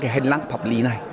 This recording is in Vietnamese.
hành lang pháp lý này